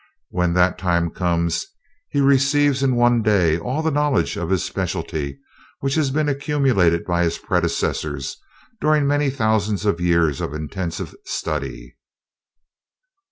When that time comes, he receives in one day all the knowledge of his specialty which has been accumulated by his predecessors during many thousands of years of intensive study."